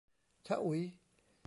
ชะอุ๋ยส์